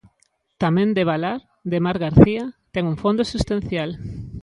Tamén 'Devalar', de Mar García, ten un fondo existencial.